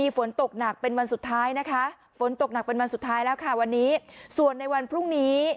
ฝนตกหนักเป็นวันสุดท้ายแล้วค่ะวันนี้ส่วนในวันพรุ่งนี้